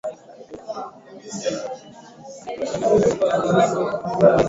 wa kupendeza juu ya Uturuki na Waturuki ndio tuliona tukaona na kuandika